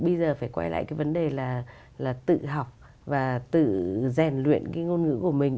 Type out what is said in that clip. bây giờ phải quay lại cái vấn đề là tự học và tự rèn luyện cái ngôn ngữ của mình